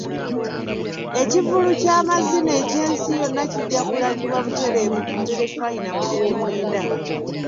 Ekivvulu ky'amazina eky'ensi yonna kijja kulagibwa butereevu ku terefayina mu gw'omwenda.